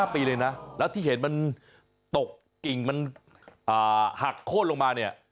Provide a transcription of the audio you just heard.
ปีเลยนะแล้วที่เห็นมันตกกิ่งมันหักโค้นลงมาเนี่ย